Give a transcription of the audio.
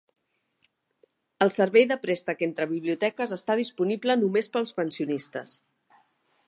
El servei de préstec entre biblioteques està disponible només per als pensionistes.